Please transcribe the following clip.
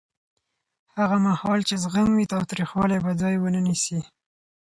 هغه مهال چې زغم وي، تاوتریخوالی به ځای ونه نیسي.